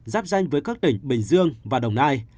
giáp danh với các tỉnh bình dương và đồng nai